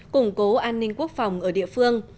củng cố an ninh quốc phòng ở địa phương